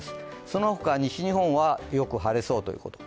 その他、西日本よく晴れそうということ。